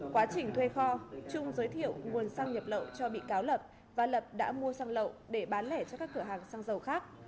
quá trình thuê kho trung giới thiệu nguồn xăng nhập lậu cho bị cáo lập và lập đã mua xăng lậu để bán lẻ cho các cửa hàng xăng dầu khác